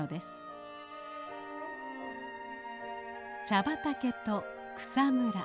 茶畑と草むら。